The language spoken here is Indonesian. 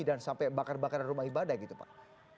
dan sampai bakar bakar rumah ibadah gitu pak